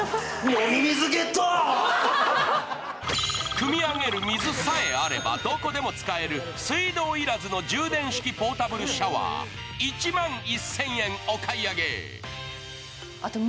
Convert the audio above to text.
くみ上げる水さえあれば、どこでも使える水道要らずに充電式ポータブルシャワー、お買い上げ。